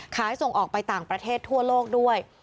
ส่งออกไปต่างประเทศทั่วโลกด้วย